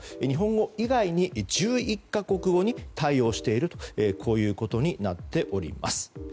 日本語以外に１１か国語に対応しているということになっています。